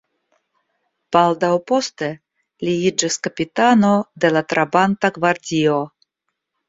Baldaŭ poste li iĝis kapitano de la Trabanta gvardio.